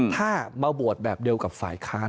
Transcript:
ถ้ามาโหวตแบบเดียวกับฝ่ายค้าน